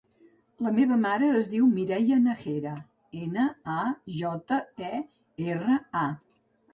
La meva mare es diu Mireia Najera: ena, a, jota, e, erra, a.